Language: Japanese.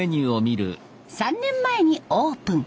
３年前にオープン。